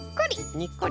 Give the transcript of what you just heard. にっこり！